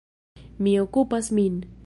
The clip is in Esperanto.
Mi okupas min.